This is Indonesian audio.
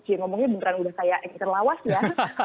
cie ngomongnya beneran udah kayak inka lawas ya